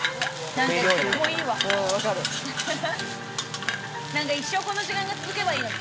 何か一生この時間が続けばいいのに。